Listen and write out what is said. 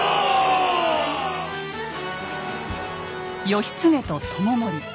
義経と知盛。